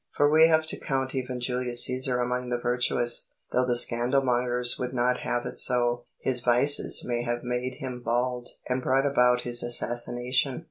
For we have to count even Julius Cæsar among the virtuous, though the scandalmongers would not have it so. His vices may have made him bald and brought about his assassination.